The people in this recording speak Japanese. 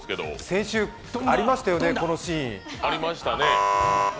先週ありましたよね、このシーン。